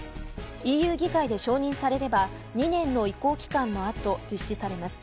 ＥＵ議会で紹介されれば２年間の移行期間のあと実施されます。